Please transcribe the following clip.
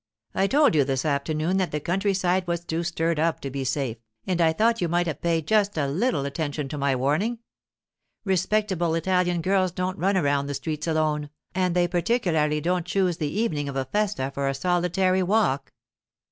I told you this afternoon that the country side was too stirred up to be safe, and I think you might have paid just a little attention to my warning. Respectable Italian girls don't run around the streets alone, and they particularly don't choose the evening of a festa for a solitary walk.